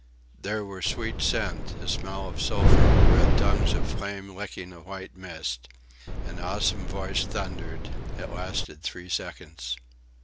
There were sweet scents, a smell of sulphur red tongues of flame licking a white mist. An awesome voice thundered!... It lasted three seconds.